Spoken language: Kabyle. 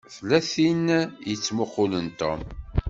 Tella tin i yettmuqqulen Tom.